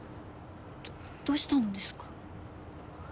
どどうしたんですか？